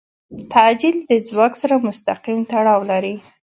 تعجیل د ځواک سره مستقیم تړاو لري.